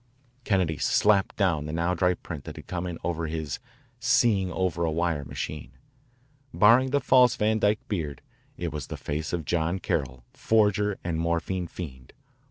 Kennedy slapped down the now dry print that had come in over his "seeing over a wire machine." Barring the false Van Dyke beard, it was the face of John Carroll, forger and morphine fiend.